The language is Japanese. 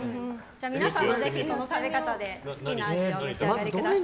皆さんも、ぜひその食べ方で好きな味をお召し上がりください。